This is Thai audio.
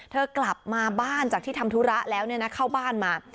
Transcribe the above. กลับมาบ้านจากที่ทำธุระแล้วเข้าบ้านมา